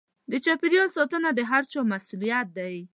د چاپېريال ساتنه د هر چا مسووليت دی.